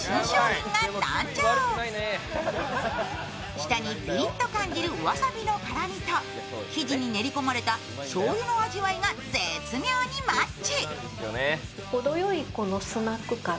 舌にピリッと感じるわさびの辛みと生地に練り込まれたしょうゆの味わいが絶妙にマッチ。